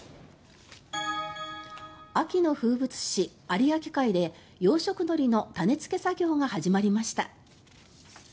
秋の風物詩、有明海で養殖のりの種付け作業が始まりました。